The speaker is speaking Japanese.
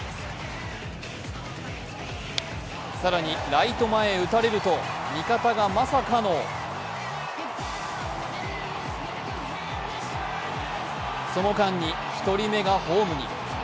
更に、ライト前に打たれると味方がまさかのその間に１人目がホームに。